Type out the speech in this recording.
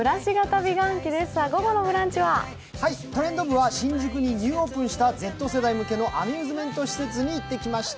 「トレンド部」は新宿にニューオープンしたＺ世代向けのアミューズメント施設に行ってきました。